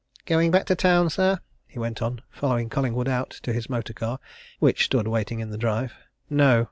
Going back to town, sir?" he went on, following Collingwood out to his motor car, which stood waiting in the drive. "No!"